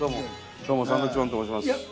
どうもサンドウィッチマンと申します。